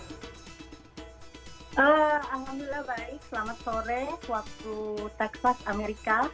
alhamdulillah baik selamat sore waktu texas amerika